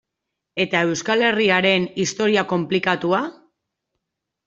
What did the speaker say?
Eta Euskal Herriaren historia konplikatua?